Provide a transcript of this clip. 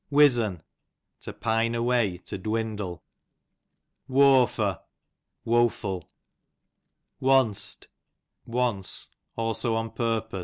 Wizz'n, to pine away, to dwindle. Wofo, ivoeful. Wonst, o?ice ; also on purpose.